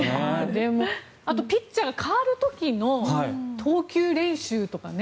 あと、ピッチャーが代わる時の投球練習とかね。